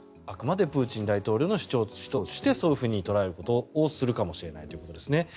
あくまでプーチン大統領の主張としてそういうふうに捉えることをするかもしれないということですね。